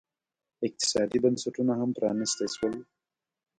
اقتصادي بنسټونه هم پرانیستي شول.